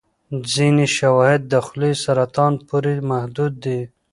ځینې شواهد د خولې سرطان پورې محدود دي.